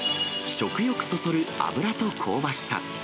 食欲そそるあぶらと香ばしさ。